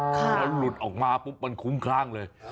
แล้วหลุดออกมาปุ๊บมันคุ้มคลั่งเลย